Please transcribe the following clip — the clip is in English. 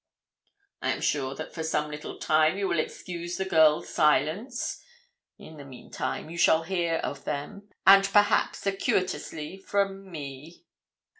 I am sure that for some little time you will excuse the girl's silence; in the meantime you shall hear of them, and perhaps circuitously, from me.